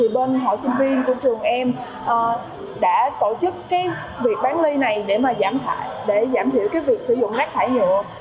bên hội sinh viên của trường em đã tổ chức việc bán ly này để giảm thiểu việc sử dụng rác thải nhựa